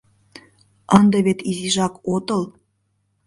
Ынде вет изижак отыл!..